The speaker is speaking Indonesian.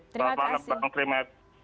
selamat malam bang trimet